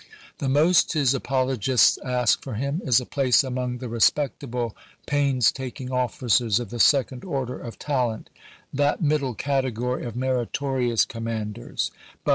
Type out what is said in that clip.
The most his apologists ask for him is a place among the respectable, painstak swinton, ing officers of the second order of talent, "that '"^itm^^ middle category of meritorious commanders "; but p.